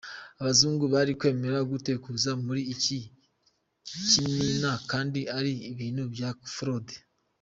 Abazungu bari kwemera gute kuza muri iki kimina kandi ari bintu bya frode ?